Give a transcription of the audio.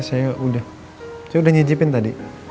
saya udah nyicipin tadi